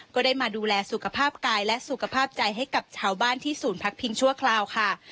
ก็ได้มาดูแลสุขภาพกายและสุขภาพใจให้กับชาวบ้านที่ศูนย์พักพิงชั่วคราวค่ะ